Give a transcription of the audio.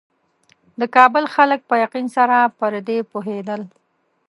د کابل خلک په یقین سره پر دې پوهېدل.